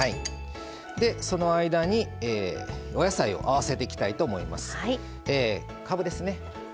その間に、お野菜を合わせていきたいと思います。